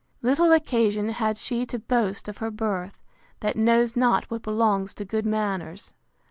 Little occasion had she to boast of her birth, that knows not what belongs to good manners.